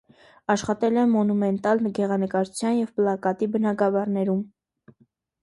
Աշխատել է մոնումենտալ գեղանկարչության և պլակատի բնագավառներում։